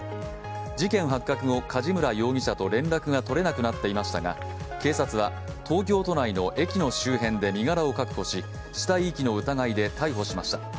事件発覚後、梶村容疑者と連絡が取れなくなっていましたが、警察は東京都内の駅の周辺で身柄を確保し、死体遺棄の疑いで逮捕しました。